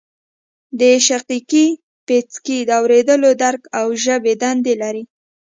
د شقیقې پیڅکی د اوریدلو درک او ژبې دنده لري